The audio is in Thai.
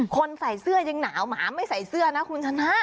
คนใส่เสื้อยังหนาวหมาไม่ใส่เสื้อนะคุณชนะ